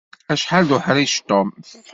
Acḥal d uḥṛic Tom!